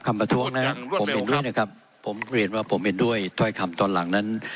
ขอประท้วงครับขอประท้วงครับขอประท้วงครับขอประท้วงครับขอประท้วงครับ